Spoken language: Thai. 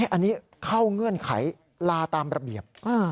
อันนี้เข้าเงื่อนไขลาตามระเบียบ